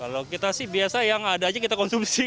kalau kita sih biasa yang ada aja kita konsumsi